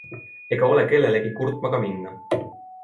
Ega ole kellelegi kurtma ka minna.